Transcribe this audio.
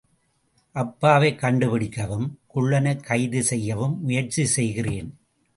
அப்பாவைக் கண்டுபிடிக்கவும், குள்ளனைக் கைது செய்யவும் முயற்சி செய்கிறேன்.